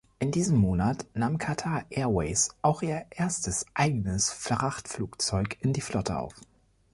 In diesem Monat nahm Qatar Airways auch ihr erstes eigenes Frachtflugzeug in die Flotte auf.